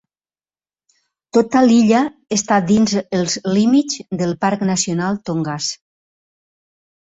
Tota l'illa està dins els límits del Parc Nacional Tongass.